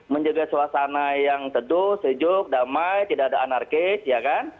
dan juga suasana yang seduh sejuk damai tidak ada anarkis ya kan